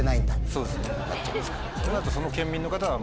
そうなるとその県民の方は。